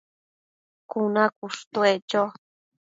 cuna cushtuec cho